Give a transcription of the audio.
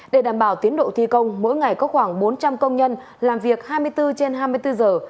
để đảm bảo tiến độ thi công mỗi ngày có khoảng bốn trăm linh công nhân làm việc hai mươi bốn trên hai mươi bốn giờ